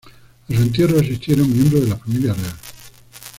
A su entierro asistieron miembros de la familia real.